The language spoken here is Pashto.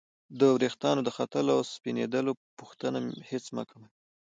د ورېښتانو د ختلو او سپینیدلو پوښتنه هېڅ مه کوئ!